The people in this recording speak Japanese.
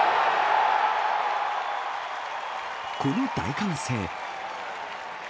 この大歓声。